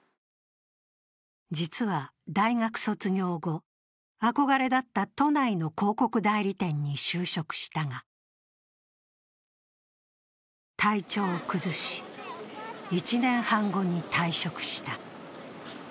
実は大学卒業後、憧れだった都内の広告代理店に就職したが、体調を崩し、１年半後に退職した。